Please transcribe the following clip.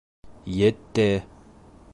— Етте.